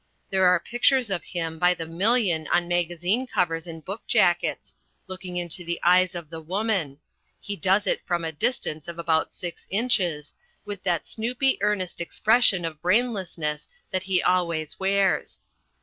There are pictures of him by the million on magazine covers and book jackets, looking into the eyes of The Woman he does it from a distance of about six inches with that snoopy earnest expression of brainlessness that he always wears.